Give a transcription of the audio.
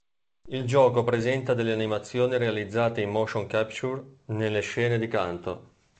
Il gioco presenta delle animazioni realizzate in motion capture nelle scene di canto.